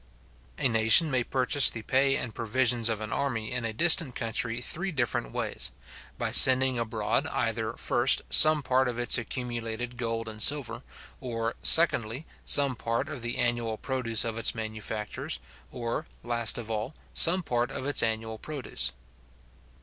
A nation may purchase the pay and provisions of an army in a distant country three different ways; by sending abroad either, first, some part of its accumulated gold and silver; or, secondly, some part of the annual produce of its manufactures; or, last of all, some part of its annual rude produce.